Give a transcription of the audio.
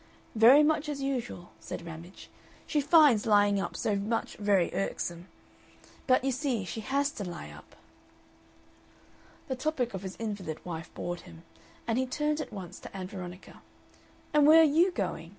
"Very much as usual," said Ramage. "She finds lying up so much very irksome. But, you see, she HAS to lie up." The topic of his invalid wife bored him, and he turned at once to Ann Veronica. "And where are YOU going?"